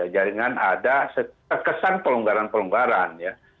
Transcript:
jaringan ada terkesan pelonggaran pelonggaran ya